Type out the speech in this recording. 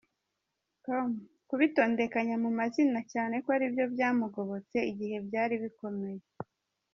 com kubitondekanya mumazina cyane ko aribyo byamugobotse igihe byari bikomeye.